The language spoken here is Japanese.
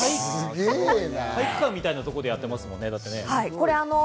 体育館みたいなところでやってますね。